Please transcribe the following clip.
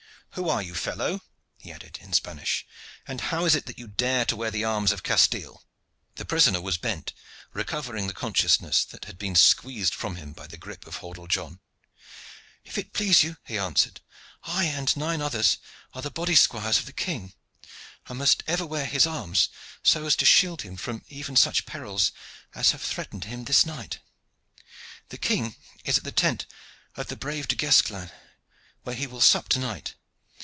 Who are you, fellow?" he added in Spanish, "and how is it that you dare to wear the arms of Castile?" The prisoner was bent recovering the consciousness which had been squeezed from him by the grip of Hordle John. "If it please you," he answered, "I and nine others are the body squires of the king, and must ever wear his arms, so as to shield him from even such perils as have threatened him this night. The king is at the tent of the brave Du Guesclin, where he will sup to night.